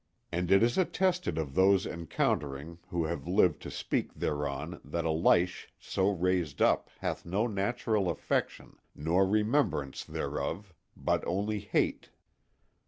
And it is attested of those encountering who have lived to speak thereon that a lich so raised up hath no natural affection, nor remembrance thereof, but only hate.